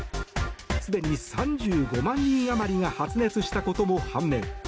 すでに３５万人余りが発熱したことも判明。